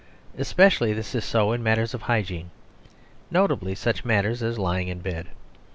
Especially this is so in matters of hygiene; notably such matters as lying in bed.